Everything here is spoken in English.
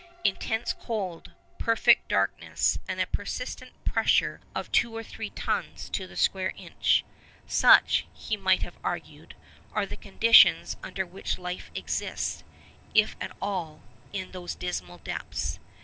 Intense cold, perfect darkness, and a persistent pressure of two or three tons to the square inch,—such, he might have argued, are the conditions under which life exists, if at all, in those dismal depths.